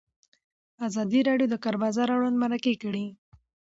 ازادي راډیو د د کار بازار اړوند مرکې کړي.